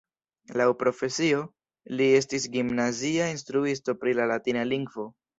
Laŭ profesio, li estis gimnazia instruisto pri la latina lingvo.